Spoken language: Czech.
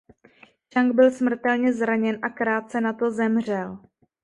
Čang byl smrtelně zraněn a krátce na to zemřel.